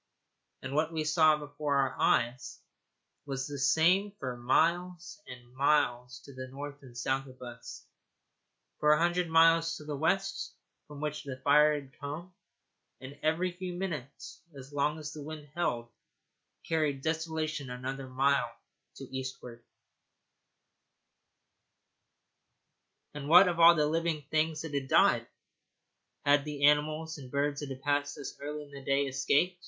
And what we saw before our eyes was the same for miles and miles to north and south of us, for a hundred miles to the west from which the fire had come; and every few minutes, as long as the wind held, carried desolation another mile to eastward. [Illustration: THE FATHER BEAR ASKED MY FATHER IF WE WERE NOT GOING TOO.] And what of all the living things that had died? Had the animals and birds that had passed us earlier in the day escaped?